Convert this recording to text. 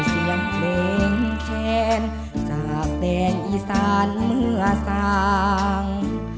เปลี่ยนเพลงแค้นจากแต่งอีสานเมื่อสั่ง